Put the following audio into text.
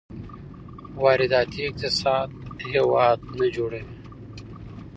وارداتي اقتصاد هېواد نه جوړوي.